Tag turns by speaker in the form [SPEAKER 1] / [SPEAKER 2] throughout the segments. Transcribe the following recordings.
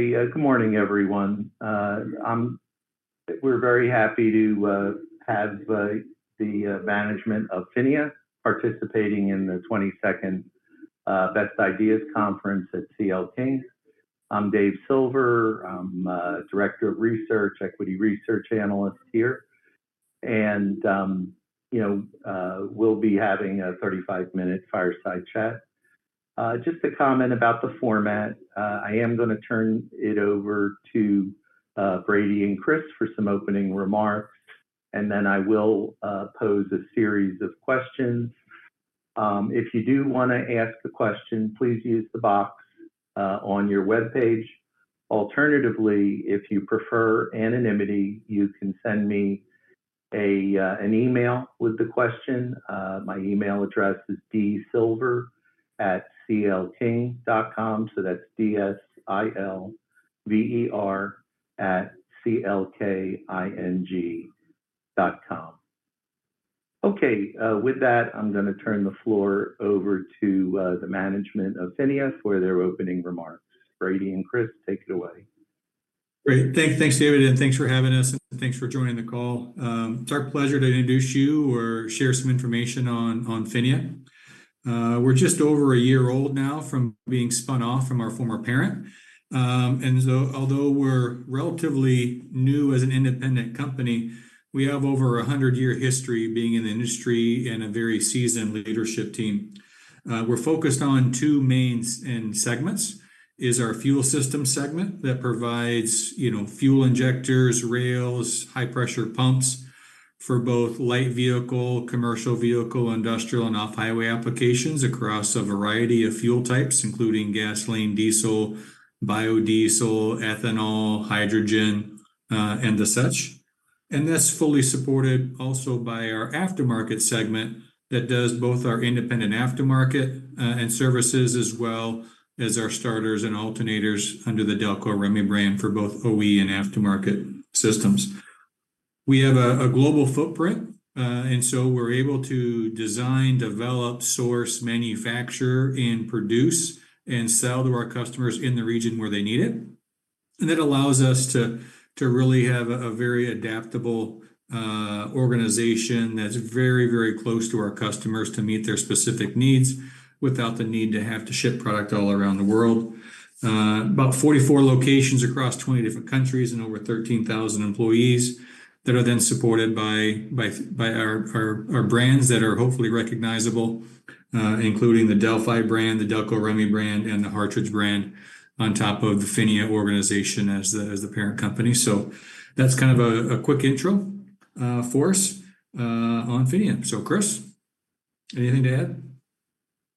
[SPEAKER 1] Okay, good morning, everyone. We're very happy to have the management of PHINIA participating in the 22nd Best Ideas Conference at CL King. I'm David Silver. I'm Director of Research, Equity Research Analyst here. And you know, we'll be having a 35-minute Fireside Chat. Just to comment about the format, I am gonna turn it over to Brady and Chris for some opening remarks, and then I will pose a series of questions. If you do wanna ask a question, please use the box on your webpage. Alternatively, if you prefer anonymity, you can send me an email with the question. My email address is dsilver@clking.com. So that's D-S-I-L-V-E-R at C-L-K-I-N-G.com. Okay, with that, I'm gonna turn the floor over to the management of PHINIA for their opening remarks. Brady and Chris, take it away.
[SPEAKER 2] Great! Thanks, David, and thanks for having us, and thanks for joining the call. It's our pleasure to introduce you or share some information on PHINIA. We're just over a year old now from being spun off from our former parent, and although we're relatively new as an independent company, we have over a hundred-year history of being in the industry and a very seasoned leadership team. We're focused on two main segments, our fuel system segment that provides, you know, fuel injectors, rails, high-pressure pumps for both Light Vehicle, Commercial Vehicle, Industrial, and Off-Highway applications across a variety of fuel types, including gasoline, diesel, biodiesel, ethanol, hydrogen, and such. That's fully supported also by our Aftermarket segment that does both our independent Aftermarket and services, as well as our starters and alternators under the Delco Remy brand for both OE and Aftermarket Systems. We have a global footprint, and so we're able to design, develop, source, manufacture, and produce, and sell to our customers in the region where they need it. That allows us to really have a very adaptable organization that's very, very close to our customers to meet their specific needs without the need to have to ship product all around the world. About 44 locations across 20 different countries and over 13,000 employees that are then supported by our brands that are hopefully recognizable, including the Delphi brand, the Delco Remy brand, and the Hartridge brand on top of the PHINIA organization as the parent company. So that's kind of a quick intro for us on PHINIA. So, Chris, anything to add?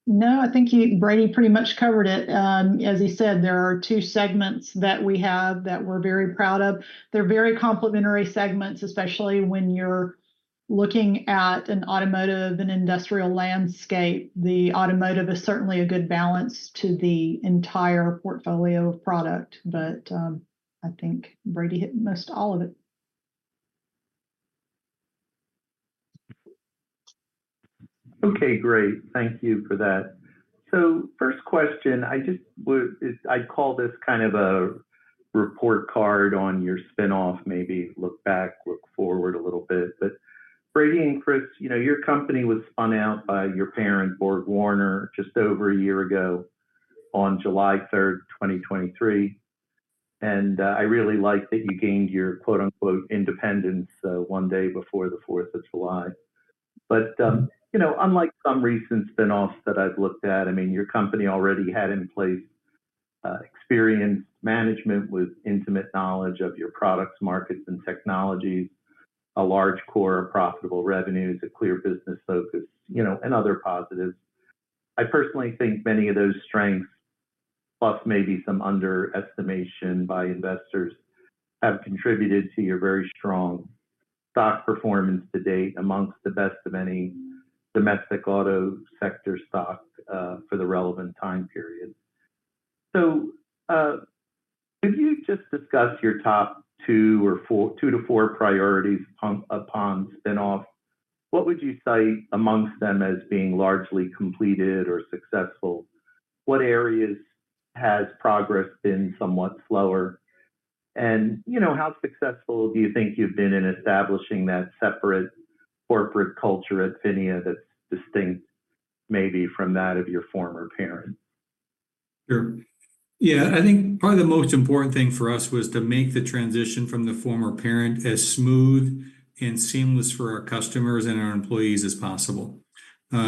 [SPEAKER 3] No, I think you, Brady, pretty much covered it. As he said, there are two segments that we have that we're very proud of. They're very complementary segments, especially when you're looking at an automotive and Industrial landscape. The automotive is certainly a good balance to the entire portfolio of product, but I think Brady hit most all of it.
[SPEAKER 1] Okay, great. Thank you for that. So first question, I call this kind of a report card on your spinoff, maybe look back, look forward a little bit. But Brady and Chris, you know, your company was spun out by your parent, BorgWarner, just over a year ago on July 3rd, 2023, and I really like that you gained your, quote-unquote, independence one day before the 4th of July. But you know, unlike some recent spinoffs that I've looked at, I mean, your company already had in place experienced management with intimate knowledge of your products, markets, and technologies, a large core of profitable revenues, a clear business focus, you know, and other positives. I personally think many of those strengths, plus maybe some underestimation by investors, have contributed to your very strong stock performance to date amongst the best of any domestic auto sector stock for the relevant time period. So, if you just discuss your top two or four, two to four priorities upon spinoff, what would you cite amongst them as being largely completed or successful? What areas has progress been somewhat slower? And, you know, how successful do you think you've been in establishing that separate corporate culture at PHINIA that's distinct maybe from that of your former parent?
[SPEAKER 2] Sure. Yeah, I think probably the most important thing for us was to make the transition from the former parent as smooth and seamless for our customers and our employees as possible. So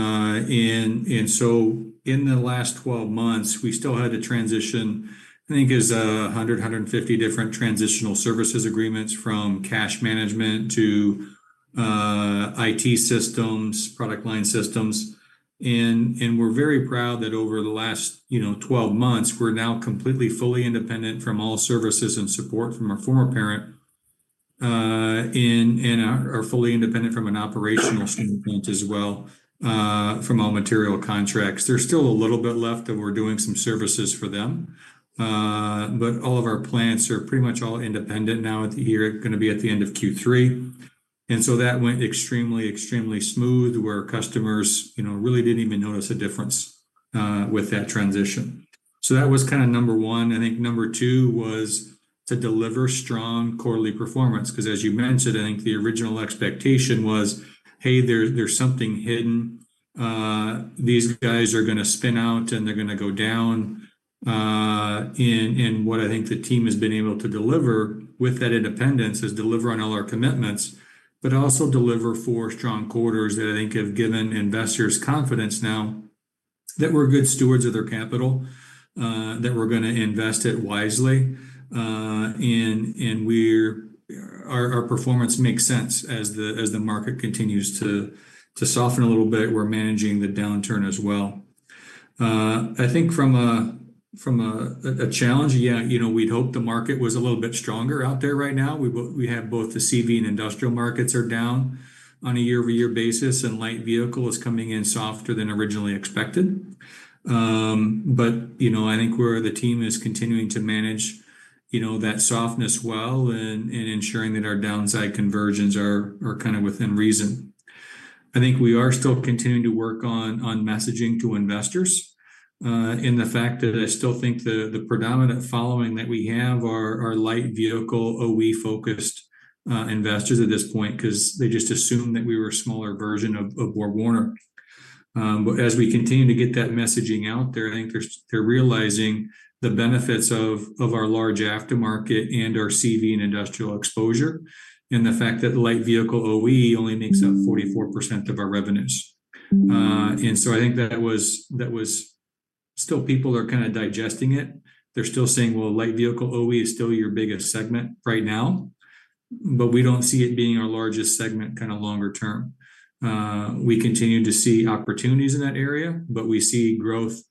[SPEAKER 2] in the last 12 months, we still had to transition, I think it was a 150 different transitional services agreements from cash management to IT systems, product line systems. We're very proud that over the last, you know, 12 months, we're now completely, fully independent from all services and support from our former parent, and are fully independent from an operational standpoint as well, from all material contracts. There's still a little bit left, and we're doing some services for them. But all of our plants are pretty much all independent now at the year, gonna be at the end of Q3. And so that went extremely, extremely smooth, where customers, you know, really didn't even notice a difference with that transition. So that was kind of number one. I think number two was to deliver strong quarterly performance, 'cause as you mentioned, I think the original expectation was, "Hey, there's something hidden. These guys are gonna spin out, and they're gonna go down." And what I think the team has been able to deliver with that independence is deliver on all our commitments, but also deliver four strong quarters that I think have given investors confidence now that we're good stewards of their capital, that we're gonna invest it wisely. And our performance makes sense as the market continues to soften a little bit. We're managing the downturn as well. I think from a challenge, yeah, you know, we'd hope the market was a little bit stronger out there right now. We have both the CV and Industrial markets are down on a year-over-year basis, and Light Vehicle is coming in softer than originally expected. But, you know, I think the team is continuing to manage, you know, that softness well and ensuring that our downside conversions are kind of within reason. I think we are still continuing to work on messaging to investors, in the fact that I still think the predominant following that we have are Light Vehicle OE-focused investors at this point, 'cause they just assumed that we were a smaller version of BorgWarner, but as we continue to get that messaging out there, I think they're realizing the benefits of our large Aftermarket and our CV and Industrial exposure, and the fact that Light Vehicle OE only makes up 44% of our revenues, and so I think that was... Still, people are kinda digesting it. They're still saying, "Well, Light Vehicle OE is still your biggest segment right now," but we don't see it being our largest segment kind of longer term. We continue to see opportunities in that area, but we see growth...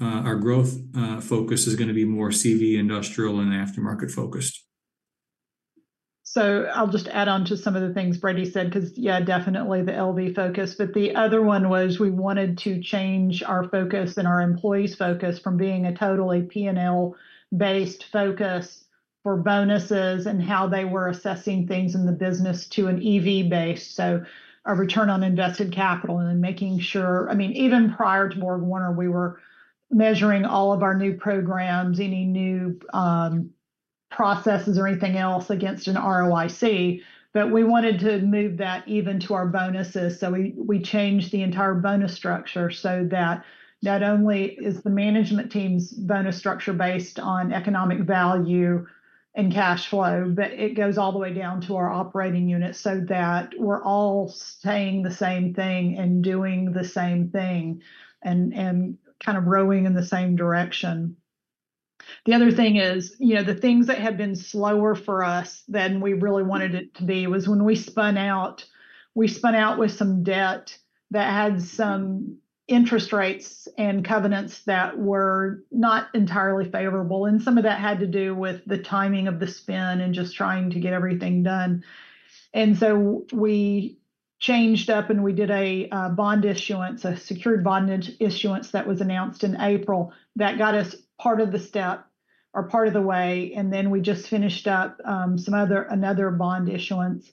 [SPEAKER 2] Our growth, focus is gonna be more CV Industrial and Aftermarket-focused.
[SPEAKER 3] I'll just add on to some of the things Brady said, 'cause yeah, definitely the LV focus, but the other one was we wanted to change our focus and our employees' focus from being a totally P&L-based focus for bonuses and how they were assessing things in the business to an EV base. A return on invested capital and then making sure, I mean, even prior to BorgWarner, we were measuring all of our new programs, any new processes or anything else against an ROIC, but we wanted to move that even to our bonuses. So we changed the entire bonus structure so that not only is the management team's bonus structure based on economic value and cash flow, but it goes all the way down to our operating units, so that we're all saying the same thing and doing the same thing and kind of rowing in the same direction. The other thing is, you know, the things that have been slower for us than we really wanted it to be was when we spun out, we spun out with some debt that had some interest rates and covenants that were not entirely favorable, and some of that had to do with the timing of the spin and just trying to get everything done. And so we changed up, and we did a bond issuance, a secured bond issuance that was announced in April. That got us part of the step or part of the way, and then we just finished up another bond issuance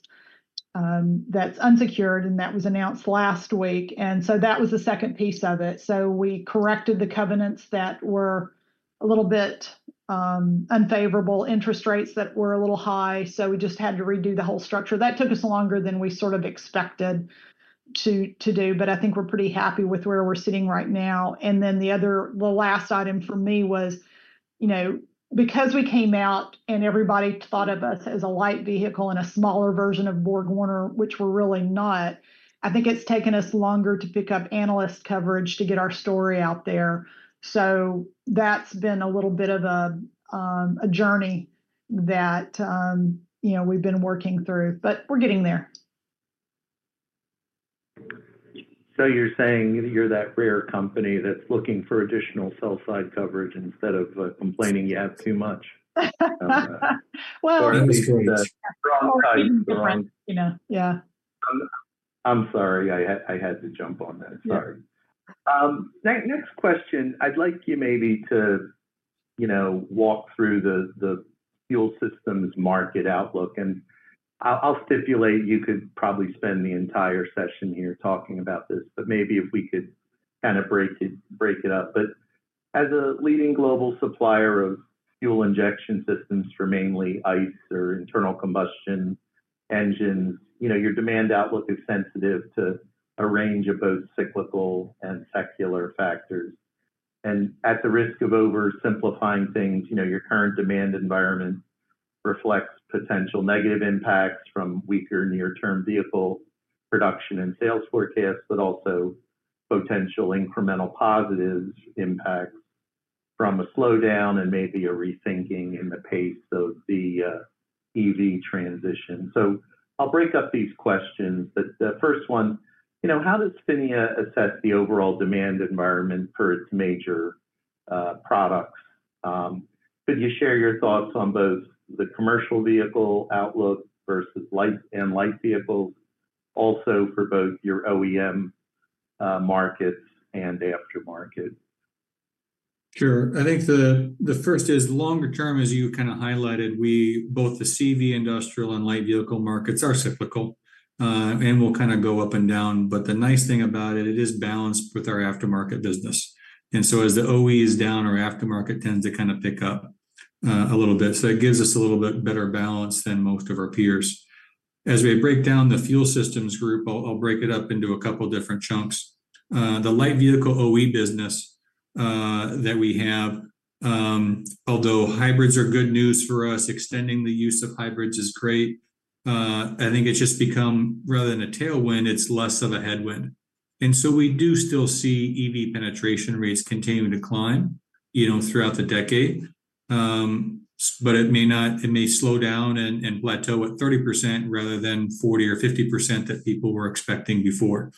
[SPEAKER 3] that's unsecured, and that was announced last week, and so that was the second piece of it, so we corrected the covenants that were a little bit unfavorable, interest rates that were a little high, so we just had to redo the whole structure. That took us longer than we sort of expected to do, but I think we're pretty happy with where we're sitting right now, and then the last item for me was, you know, because we came out and everybody thought of us as a Light Vehicle and a smaller version of BorgWarner, which we're really not. I think it's taken us longer to pick up analyst coverage to get our story out there. So that's been a little bit of a journey that, you know, we've been working through, but we're getting there.
[SPEAKER 1] So you're saying you're that rare company that's looking for additional sell side coverage instead of complaining you have too much?
[SPEAKER 3] Well-
[SPEAKER 1] Or at least that-
[SPEAKER 3] You know. Yeah.
[SPEAKER 1] I'm sorry, I had to jump on that.
[SPEAKER 3] Yeah.
[SPEAKER 1] Sorry. Next question, I'd like you maybe to, you know, walk through the fuel systems market outlook, and I'll stipulate you could probably spend the entire session here talking about this, but maybe if we could kind of break it up. But as a leading global supplier of fuel injection systems for mainly ICE or internal combustion engines, you know, your demand outlook is sensitive to a range of both cyclical and secular factors. At the risk of oversimplifying things, you know, your current demand environment reflects potential negative impacts from weaker near-term vehicle production and sales forecasts, but also potential incremental positive impacts from a slowdown and maybe a rethinking in the pace of the EV transition. So I'll break up these questions, but the first one, you know, how does PHINIA assess the overall demand environment for its major products? Could you share your thoughts on both the Commercial Vehicle outlook vs Light Vehicles, also for both your OEM markets and Aftermarket?...
[SPEAKER 2] Sure. I think the first is longer term, as you kind of highlighted, both the CV Industrial and Light Vehicle markets are cyclical, and will kind of go up and down, but the nice thing about it, it is balanced with our Aftermarket business. And so as the OE is down, our Aftermarket tends to kind of pick up a little bit. So it gives us a little bit better balance than most of our peers. As we break down the fuel systems group, I'll break it up into a couple different chunks. The Light Vehicle OE business that we have, although hybrids are good news for us, extending the use of hybrids is great. I think it's just become rather than a tailwind, it's less of a headwind. And so we do still see EV penetration rates continue to decline, you know, throughout the decade. But it may slow down and plateau at 30% rather than 40% or 50% that people were expecting before.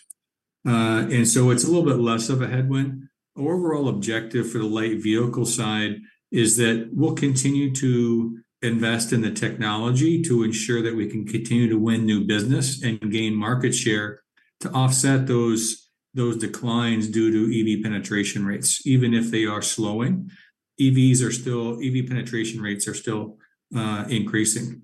[SPEAKER 2] And so it's a little bit less of a headwind. Overall objective for the Light Vehicle side is that we'll continue to invest in the technology to ensure that we can continue to win new business and gain market share to offset those declines due to EV penetration rates, even if they are slowing. EV penetration rates are still increasing.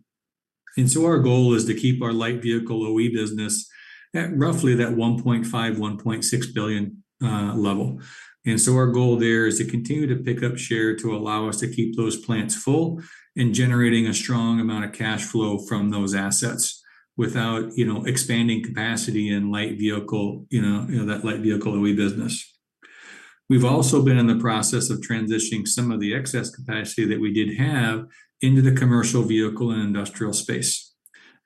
[SPEAKER 2] And so our goal is to keep our Light Vehicle OE business at roughly that $1.5-$1.6 billion level. And so our goal there is to continue to pick up share to allow us to keep those plants full and generating a strong amount of cash flow from those assets without, you know, expanding capacity in Light Vehicle, you know, that Light Vehicle OE business. We've also been in the process of transitioning some of the excess capacity that we did have into the Commercial Vehicle and Industrial space.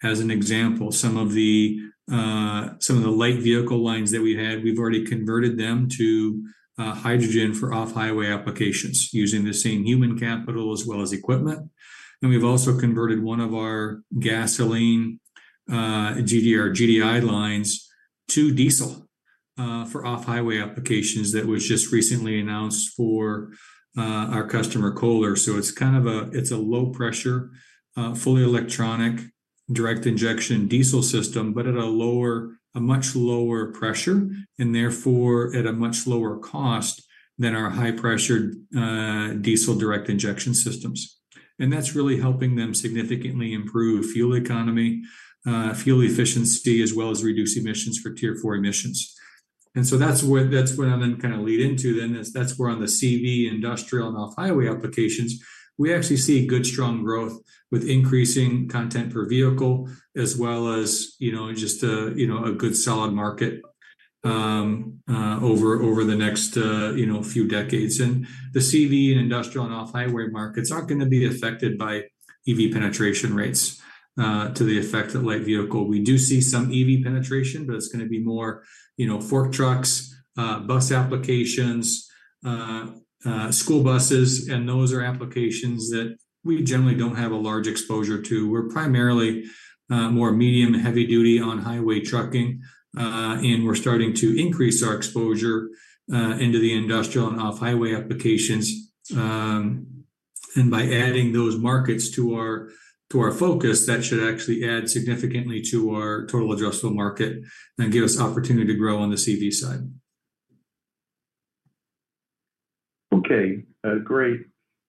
[SPEAKER 2] As an example, some of the Light Vehicle lines that we had, we've already converted them to hydrogen for Off-Highway applications using the same human capital as well as equipment. And we've also converted one of our gasoline GDI lines to diesel for Off-Highway applications that was just recently announced for our customer, Kohler. It's kind of a low pressure, fully electronic direct injection diesel system, but at a much lower pressure, and therefore at a much lower cost than our high pressure, diesel direct injection systems. That's really helping them significantly improve fuel economy, fuel efficiency, as well as reduce emissions for Tier 4 emissions. That's where, that's what I then kind of lead into, is that's where on the CV Industrial and Off-Highway applications, we actually see good, strong growth with increasing content per vehicle, as well as, you know, just a good solid market over the next few decades. The CV and Industrial and Off-Highway markets aren't going to be affected by EV penetration rates to the effect of Light Vehicle. We do see some EV penetration, but it's going to be more, you know, fork trucks, bus applications, school buses, and those are applications that we generally don't have a large exposure to. We're primarily more medium, heavy duty on highway trucking, and we're starting to increase our exposure into the Industrial and Off-Highway applications. By adding those markets to our focus, that should actually add significantly to our total addressable market and give us opportunity to grow on the CV side.
[SPEAKER 1] Okay, great.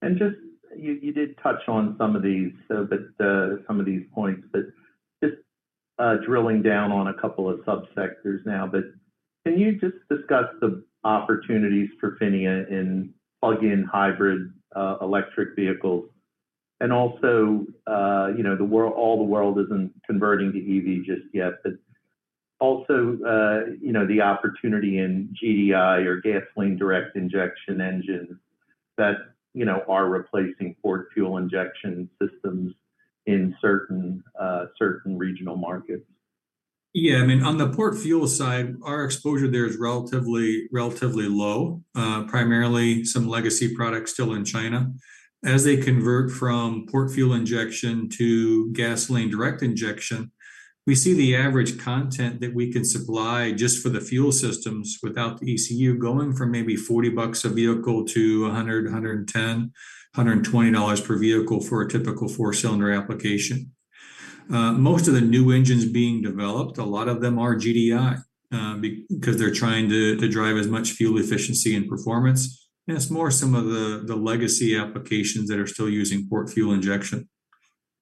[SPEAKER 1] And just, you, you did touch on some of these, but some of these points, but just drilling down on a couple of subsectors now. But can you just discuss the opportunities for PHINIA in plug-in hybrid electric vehicles? And also, you know, the world, all the world isn't converting to EV just yet, but also, you know, the opportunity in GDI or gasoline direct injection engines that, you know, are replacing port fuel injection systems in certain regional markets.
[SPEAKER 2] Yeah, I mean, on the port fuel side, our exposure there is relatively low, primarily some legacy products still in China. As they convert from port fuel injection to gasoline direct injection, we see the average content that we can supply just for the fuel systems without the ECU going from maybe $40 a vehicle to $110-$120 per vehicle for a typical 4-cylinder application. Most of the new engines being developed, a lot of them are GDI, because they're trying to drive as much fuel efficiency and performance, and it's more some of the legacy applications that are still using port fuel injection.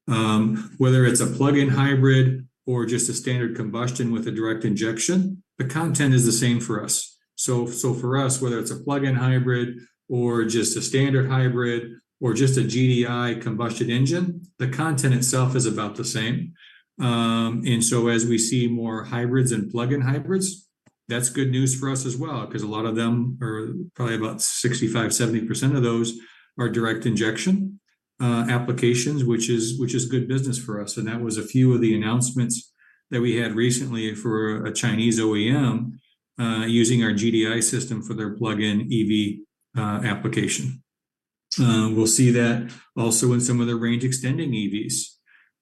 [SPEAKER 2] Whether it's a plug-in hybrid or just a standard combustion with a direct injection, the content is the same for us. So for us, whether it's a plug-in hybrid or just a standard hybrid or just a GDI combustion engine, the content itself is about the same. And so as we see more hybrids and plug-in hybrids, that's good news for us as well, 'cause a lot of them, or probably about 65%-70% of those are direct injection applications, which is good business for us. And that was a few of the announcements that we had recently for a Chinese OEM using our GDI system for their plug-in EV application. We'll see that also in some of the range-extending EVs.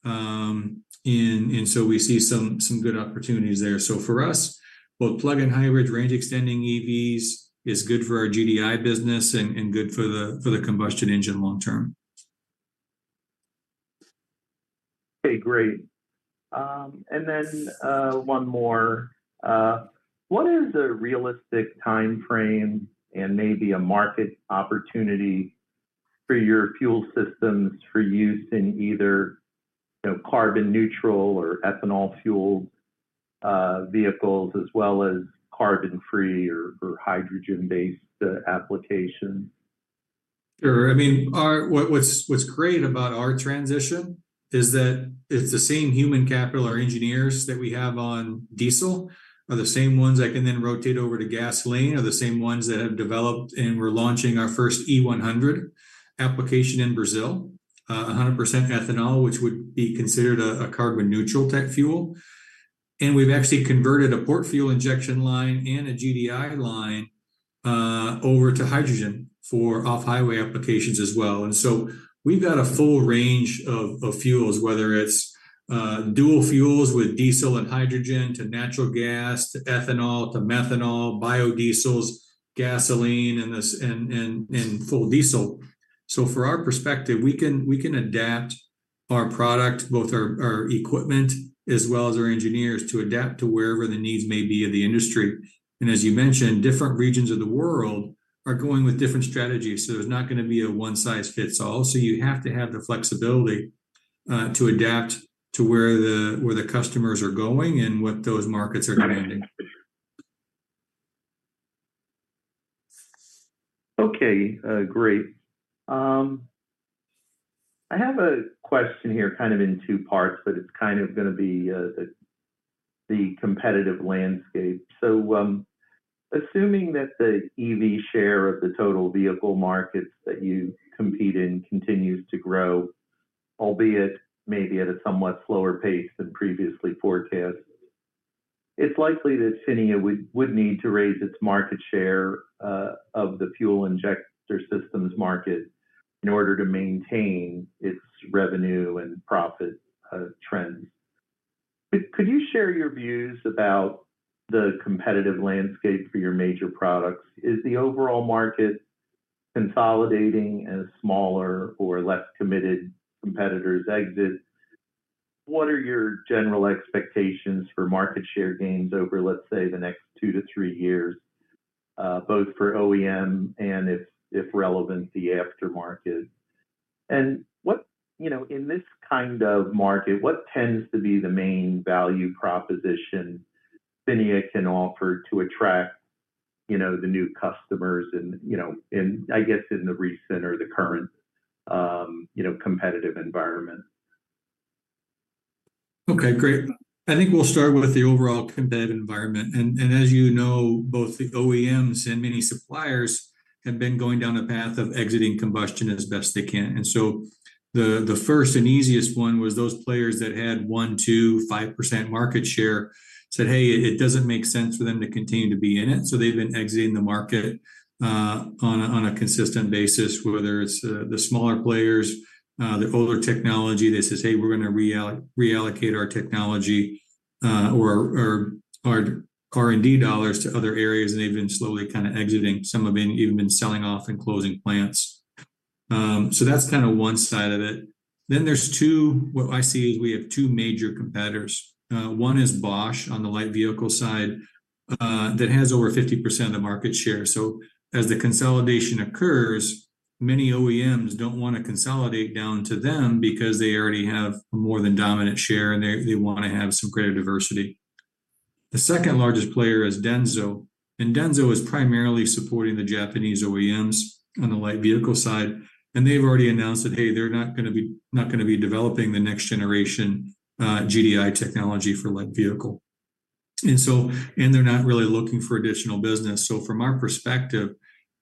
[SPEAKER 2] And so we see some good opportunities there. So for us, both plug-in hybrid range-extending EVs is good for our GDI business and good for the combustion engine long term....
[SPEAKER 1] Okay, great, and then one more. What is a realistic time frame and maybe a market opportunity for your fuel systems for use in either, you know, carbon neutral or ethanol fueled vehicles, as well as carbon-free or hydrogen-based application?
[SPEAKER 2] Sure. I mean, what's great about our transition is that it's the same human capital, our engineers that we have on diesel, are the same ones that can then rotate over to gasoline, are the same ones that have developed and we're launching our first E100 application in Brazil. A 100% ethanol, which would be considered a carbon-neutral tech fuel. And we've actually converted a port fuel injection line and a GDI line over to hydrogen for Off-Highway applications as well. And so we've got a full range of fuels, whether it's dual fuels with diesel and hydrogen, to natural gas, to ethanol, to methanol, biodiesels, gasoline, and full diesel. So from our perspective, we can adapt our product, both our equipment, as well as our engineers, to adapt to wherever the needs may be in the industry. And as you mentioned, different regions of the world are going with different strategies, so there's not gonna be a one-size-fits-all. So you have to have the flexibility to adapt to where the customers are going and what those markets are demanding.
[SPEAKER 1] Okay, great. I have a question here kind of in two parts, but it's kind of gonna be the competitive landscape. So, assuming that the EV share of the total vehicle markets that you compete in continues to grow, albeit maybe at a somewhat slower pace than previously forecast, it's likely that PHINIA would need to raise its market share of the fuel injector systems market in order to maintain its revenue and profit trends. Could you share your views about the competitive landscape for your major products? Is the overall market consolidating as smaller or less committed competitors exit? What are your general expectations for market share gains over, let's say, the next two to three years, both for OEM and if relevant, the Aftermarket? What, you know, in this kind of market, what tends to be the main value proposition PHINIA can offer to attract, you know, the new customers and, you know, in, I guess, in the recent or the current, you know, competitive environment?
[SPEAKER 2] Okay, great. I think we'll start with the overall competitive environment. As you know, both the OEMs and many suppliers have been going down a path of exiting combustion as best they can, so the first and easiest one was those players that had 1, 2, 5% market share said, "Hey, it doesn't make sense for them to continue to be in it," so they've been exiting the market on a consistent basis, whether it's the smaller players, the older technology that says, "Hey, we're gonna reallocate our technology or our R&D dollars to other areas," and they've been slowly kind of exiting, some have even been selling off and closing plants, so that's kind of one side of it. Then there's two. What I see is we have two major competitors. One is Bosch on the Light Vehicle side that has over 50% of the market share. So as the consolidation occurs, many OEMs don't wanna consolidate down to them because they already have a more than dominant share, and they wanna have some greater diversity. The second largest player is Denso, and Denso is primarily supporting the Japanese OEMs on the Light Vehicle side. And they've already announced that, hey, they're not gonna be developing the next generation GDI technology for Light Vehicle. And so, and they're not really looking for additional business. So from our perspective,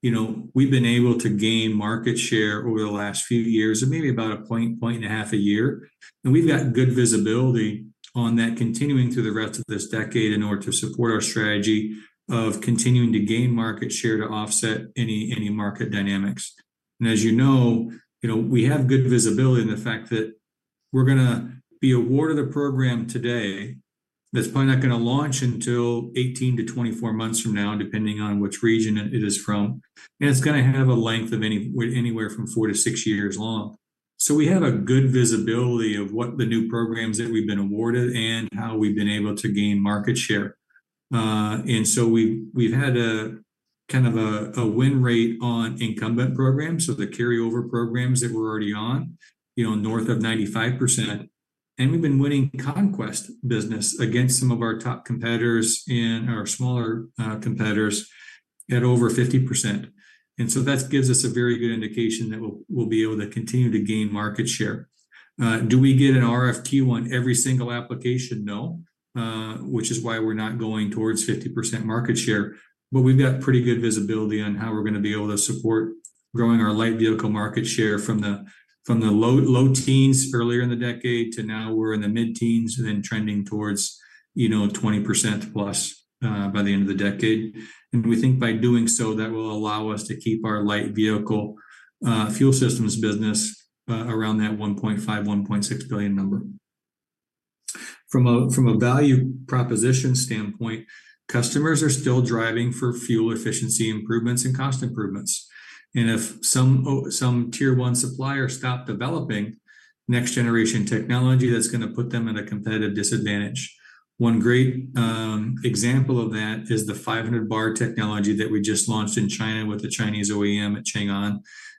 [SPEAKER 2] you know, we've been able to gain market share over the last few years, and maybe about a point and a 1/2 a year. And we've got good visibility on that continuing through the rest of this decade in order to support our strategy of continuing to gain market share to offset any market dynamics. And as you know, you know, we have good visibility in the fact that we're gonna be awarded a program today, that's probably not gonna launch until eighteen to twenty-four months from now, depending on which region it is from. And it's gonna have a length of anywhere from four to six years long. So we have a good visibility of what the new programs that we've been awarded and how we've been able to gain market share. And so we've had a kind of a win rate on incumbent programs, so the carryover programs that we're already on, you know, north of 95%. We've been winning conquest business against some of our top competitors and our smaller competitors at over 50%. And so that gives us a very good indication that we'll be able to continue to gain market share. Do we get an RFQ on every single application? No. Which is why we're not going towards 50% market share. We've got pretty good visibility on how we're gonna be able to support growing our Light Vehicle market share from the low teens earlier in the decade to now we're in the mid-teens and then trending towards, you know, 20%+ by the end of the decade. And we think by doing so, that will allow us to keep our Light Vehicle fuel systems business around that $1.5-$1.6 billion number. From a value proposition standpoint, customers are still driving for fuel efficiency improvements and cost improvements. And if some tier one supplier stop developing next generation technology, that's gonna put them at a competitive disadvantage. One great example of that is the 500 bar technology that we just launched in China with the Chinese OEM at Changan,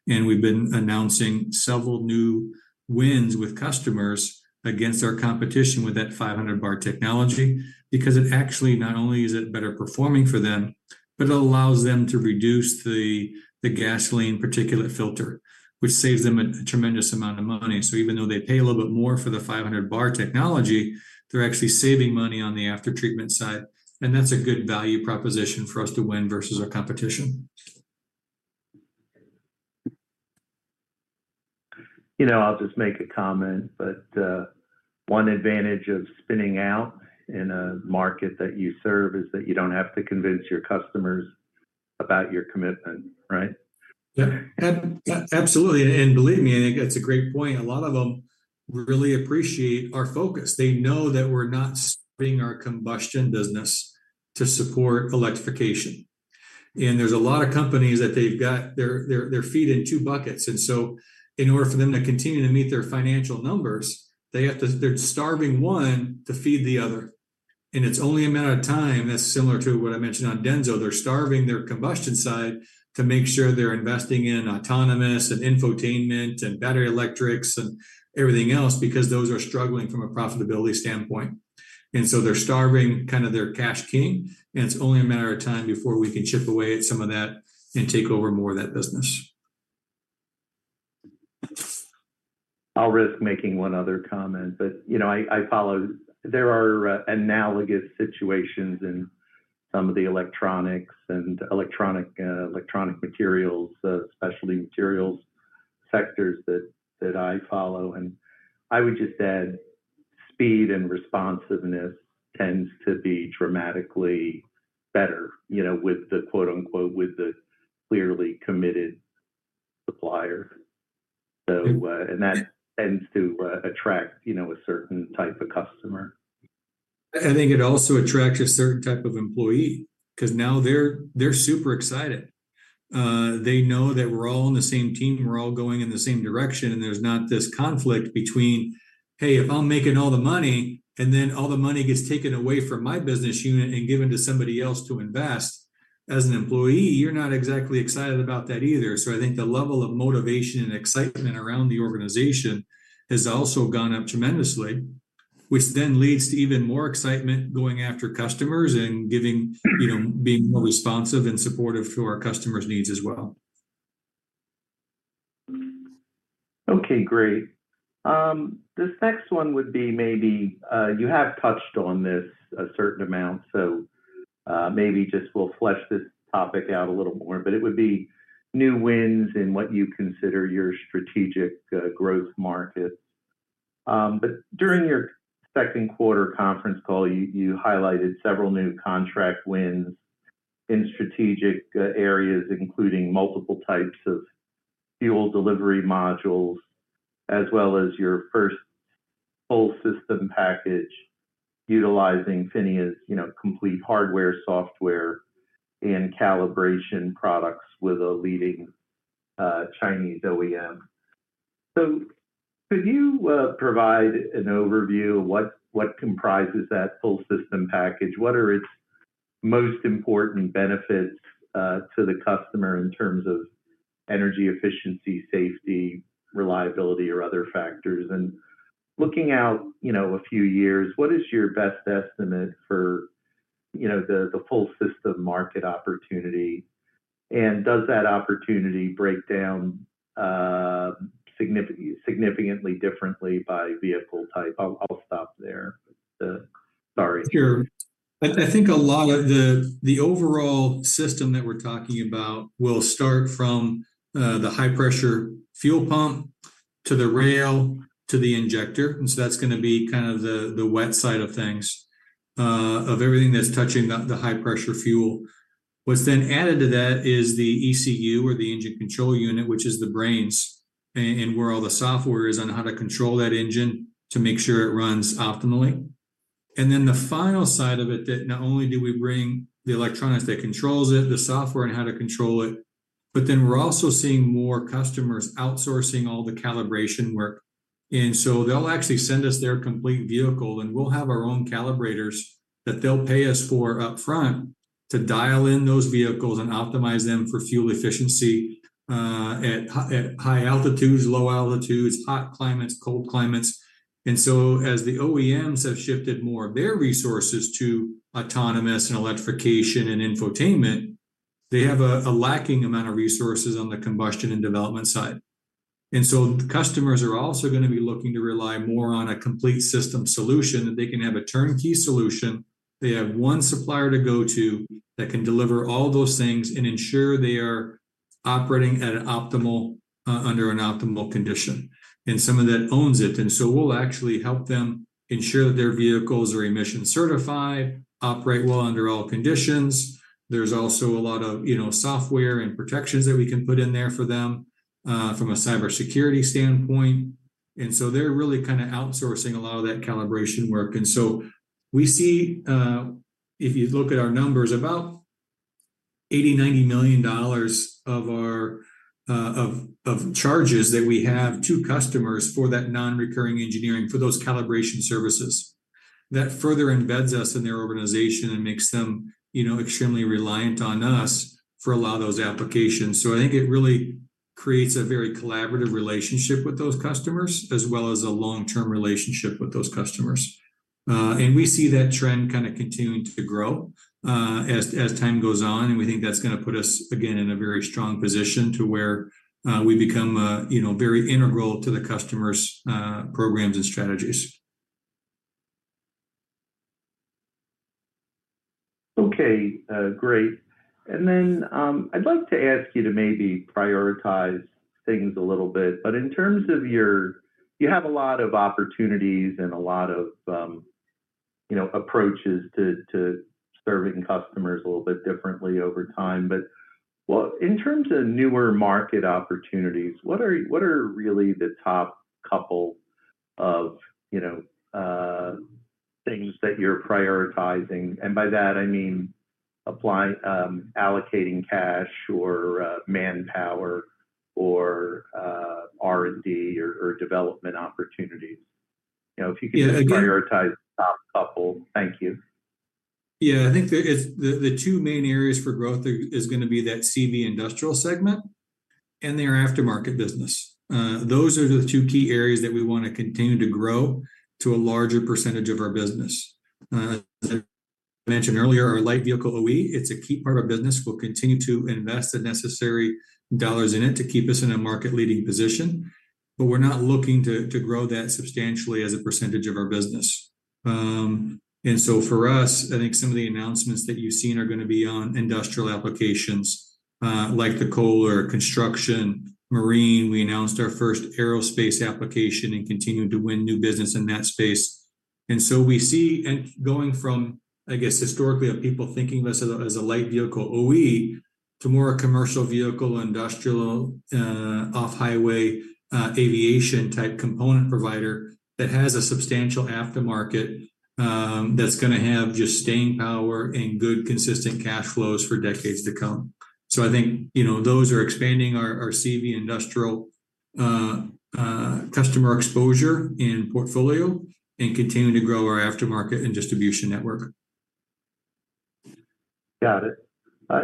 [SPEAKER 2] and we've been announcing several new wins with customers against our competition with that 500 bar technology, because it actually not only is it better performing for them, but it allows them to reduce the gasoline particulate filter, which saves them a tremendous amount of money. So even though they pay a little bit more for the five hundred bar technology, they're actually saving money on the after-treatment side, and that's a good value proposition for us to win vs our competition.
[SPEAKER 1] You know, I'll just make a comment, but one advantage of spinning out in a market that you serve is that you don't have to convince your customers about your commitment, right?
[SPEAKER 2] Yeah. Absolutely, and believe me, I think that's a great point. A lot of them really appreciate our focus. They know that we're not spinning our combustion business to support electrification. And there's a lot of companies that they've got their feet in two buckets, and so in order for them to continue to meet their financial numbers, they have to. They're starving one to feed the other. And it's only a matter of time, that's similar to what I mentioned on Denso, they're starving their combustion side to make sure they're investing in autonomous and infotainment and battery electrics and everything else, because those are struggling from a profitability standpoint. And so they're starving kind of their cash king, and it's only a matter of time before we can chip away at some of that and take over more of that business.
[SPEAKER 1] I'll risk making one other comment, but, you know, I follow. There are analogous situations in some of the electronics and electronic materials, specialty materials sectors that I follow, and I would just add speed and responsiveness tends to be dramatically better, you know, with the, quote, unquote, "with the clearly committed supplier." So, and that tends to attract, you know, a certain type of customer.
[SPEAKER 2] I think it also attracts a certain type of employee, 'cause now they're super excited. They know that we're all on the same team, we're all going in the same direction, and there's not this conflict between, hey, if I'm making all the money, and then all the money gets taken away from my business unit and given to somebody else to invest, as an employee, you're not exactly excited about that either. So I think the level of motivation and excitement around the organization has also gone up tremendously, which then leads to even more excitement going after customers and giving, you know, being more responsive and supportive to our customers' needs as well.
[SPEAKER 1] Okay, great. This next one would be maybe you have touched on this a certain amount, so maybe just we'll flesh this topic out a little more, but it would be new wins in what you consider your strategic growth markets. But during your second quarter conference call, you highlighted several new contract wins in strategic areas, including multiple types of fuel delivery modules, as well as your first full system package utilizing PHINIA's, you know, complete hardware, software, and calibration products with a leading Chinese OEM. So could you provide an overview of what comprises that full system package? What are its most important benefits to the customer in terms of energy efficiency, safety, reliability, or other factors? Looking out, you know, a few years, what is your best estimate for, you know, the full system market opportunity, and does that opportunity break down significantly differently by vehicle type? I'll stop there. Sorry.
[SPEAKER 2] Sure. I think a lot of the overall system that we're talking about will start from the high pressure fuel pump, to the rail, to the injector, and so that's gonna be kind of the wet side of things, of everything that's touching the high pressure fuel. What's then added to that is the ECU or the engine control unit, which is the brains, and where all the software is on how to control that engine to make sure it runs optimally. And then the final side of it that not only do we bring the electronics that controls it, the software and how to control it, but then we're also seeing more customers outsourcing all the calibration work. They'll actually send us their complete vehicle, and we'll have our own calibrators that they'll pay us for upfront to dial in those vehicles and optimize them for fuel efficiency at high altitudes, low altitudes, hot climates, cold climates. As the OEMs have shifted more of their resources to autonomous and electrification and infotainment, they have a lacking amount of resources on the combustion and development side. Customers are also gonna be looking to rely more on a complete system solution that they can have a turnkey solution. They have one supplier to go to that can deliver all those things and ensure they are operating at an optimal under an optimal condition. Some of that involves it, and we'll actually help them ensure that their vehicles are emission-certified, operate well under all conditions. There's also a lot of, you know, software and protections that we can put in there for them, from a cybersecurity standpoint, and so they're really kind of outsourcing a lot of that calibration work. And so we see, if you look at our numbers, about $80-$90 million of our charges that we have to customers for that non-recurring engineering, for those calibration services, that further embeds us in their organization and makes them, you know, extremely reliant on us for a lot of those applications. So I think it really creates a very collaborative relationship with those customers, as well as a long-term relationship with those customers. And we see that trend kind of continuing to grow, as time goes on, and we think that's gonna put us, again, in a very strong position to where we become, you know, very integral to the customers', programs and strategies.
[SPEAKER 1] Okay, great. And then, I'd like to ask you to maybe prioritize things a little bit, but in terms of your... You have a lot of opportunities and a lot of, you know, approaches to serving customers a little bit differently over time. But, well, in terms of newer market opportunities, what are really the top couple of, you know, things that you're prioritizing? And by that, I mean, applying, allocating cash or, manpower, or R&D or development opportunities. You know, if you could-
[SPEAKER 2] Yeah, again-
[SPEAKER 1] - Prioritize the top couple. Thank you.
[SPEAKER 2] Yeah, I think it's the two main areas for growth is gonna be that CV Industrial segment and their Aftermarket business. Those are the two key areas that we wanna continue to grow to a larger % of our business. As I mentioned earlier, our Light Vehicle OE, it's a key part of business, we'll continue to invest the necessary dollars in it to keep us in a market-leading position, but we're not looking to grow that substantially as a % of our business. So for us, I think some of the announcements that you've seen are gonna be on Industrial applications, like the Kohler, construction, marine. We announced our first aerospace application and continuing to win new business in that space. And so we see, and going from, I guess, historically of people thinking of us as a Light Vehicle OE, to more a Commercial Vehicle, Industrial, Off-Highway, aviation-type component provider, that has a substantial Aftermarket, that's gonna have just staying power and good consistent cash flows for decades to come. So I think, you know, those are expanding our CV Industrial, customer exposure and portfolio, and continuing to grow our Aftermarket and distribution network.
[SPEAKER 1] Got it.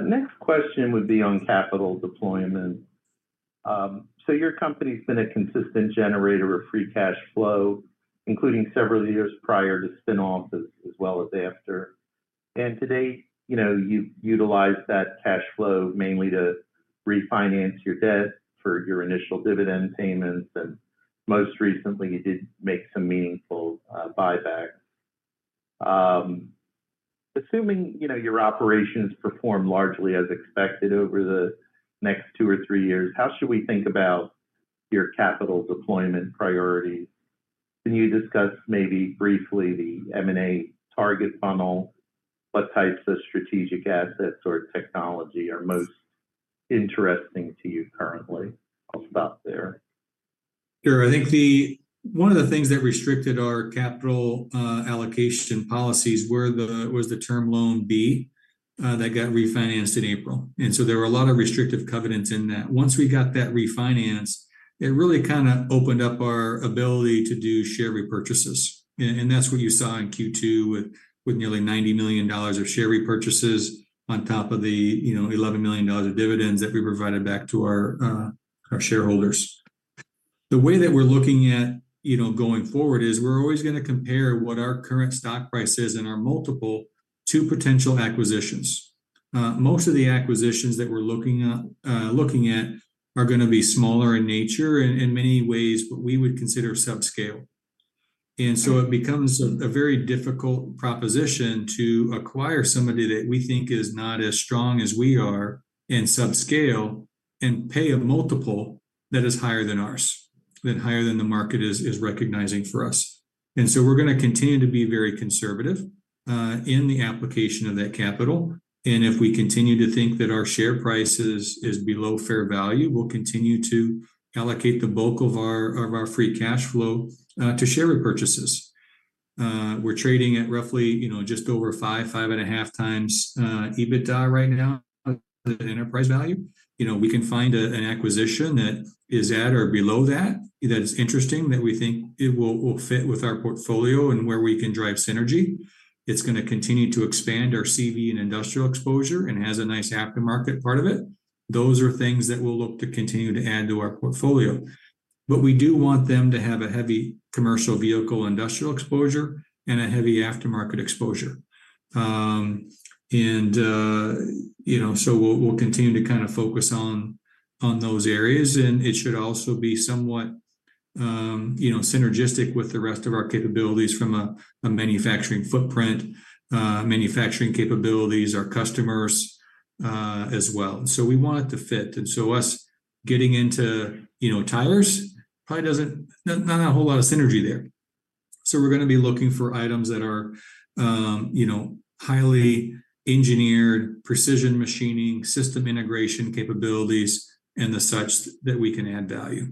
[SPEAKER 1] Next question would be on capital deployment. So your company's been a consistent generator of free cash flow, including several years prior to spin-offs as well as after, and to date, you know, you've utilized that cash flow mainly to refinance your debt for your initial dividend payments, and most recently you did make some meaningful buyback. Assuming, you know, your operations perform largely as expected over the next two or three years, how should we think about your capital deployment priorities? Can you discuss maybe briefly the M&A target funnel, what types of strategic assets or technology are most interesting to you currently? I'll stop there.
[SPEAKER 2] Sure. I think one of the things that restricted our capital allocation policies was the Term Loan B that got refinanced in April, and so there were a lot of restrictive covenants in that. Once we got that refinanced, it really kind of opened up our ability to do share repurchases. And that's what you saw in Q2 with nearly $90 million of share repurchases on top of the, you know, $11 million of dividends that we provided back to our shareholders. The way that we're looking at, you know, going forward is we're always gonna compare what our current stock price is and our multiple to potential acquisitions. Most of the acquisitions that we're looking at are gonna be smaller in nature and in many ways what we would consider subscale. And so it becomes a very difficult proposition to acquire somebody that we think is not as strong as we are in subscale, and pay a multiple that is higher than ours, and higher than the market is recognizing for us. And so we're gonna continue to be very conservative in the application of that capital, and if we continue to think that our share price is below fair value, we'll continue to allocate the bulk of our free cash flow to share repurchases. We're trading at roughly, you know, just over five and a half times EBITDA right now, enterprise value. You know, we can find an acquisition that is at or below that, that is interesting, that we think it will fit with our portfolio and where we can drive synergy. It's gonna continue to expand our CV and Industrial exposure and has a nice Aftermarket part of it. Those are things that we'll look to continue to add to our portfolio. But we do want them to have a heavy Commercial Vehicle Industrial exposure, and a heavy Aftermarket exposure. And you know, so we'll continue to kind of focus on those areas, and it should also be somewhat, you know, synergistic with the rest of our capabilities from a manufacturing footprint, manufacturing capabilities, our customers, as well. So we want it to fit, and so us getting into, you know, tires, probably doesn't... Not a whole lot of synergy there. So we're gonna be looking for items that are, you know, highly engineered, precision machining, system integration capabilities, and the such that we can add value.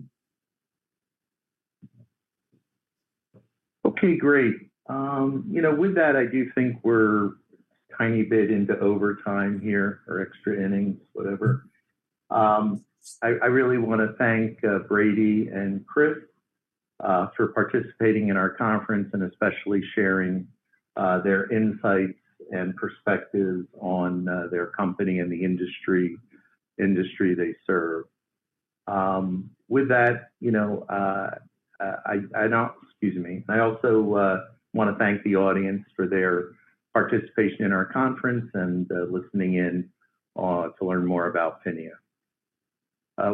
[SPEAKER 1] Okay, great. You know, with that, I do think we're a tiny bit into overtime here, or extra innings, whatever. I really wanna thank Brady and Chris for participating in our conference and especially sharing their insights and perspectives on their company and the industry they serve. With that, you know, I now... Excuse me. I also wanna thank the audience for their participation in our conference and listening in to learn more about PHINIA.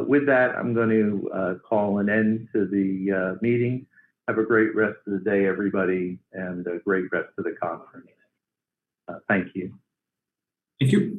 [SPEAKER 1] With that, I'm going to call an end to the meeting. Have a great rest of the day, everybody, and a great rest of the conference. Thank you.
[SPEAKER 2] Thank you.